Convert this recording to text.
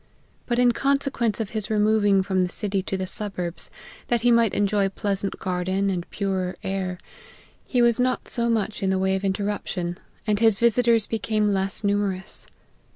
But in consequence of his re moving from the city to the suburbs, that he might enjoy a pleasant garden and a purer air, he was not so much in the way of interruption, and his visiters became less numerous.